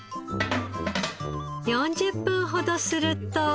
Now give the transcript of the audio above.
４０分ほどすると。